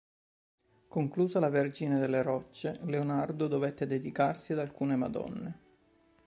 Conclusa la "Vergine delle Rocce" Leonardo dovette dedicarsi ad alcune Madonne.